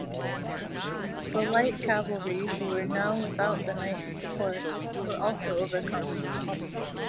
The light cavalry, who were now without the knights' support, were also overcome.